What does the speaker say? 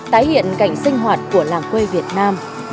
tái hiện cảnh sinh hoạt của làng quê việt nam